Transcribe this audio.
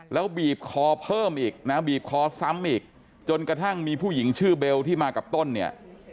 แล้วบีบคอเพิ่มอีกนะบีบคอซ้ำอีกจนกระทั่งมีผู้หญิงชื่อเบลที่มากับต้นเนี่ย